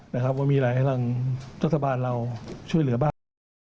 ว่ามีอะไรอยากให้เราขอสามารถช่วยเหลือบ้าง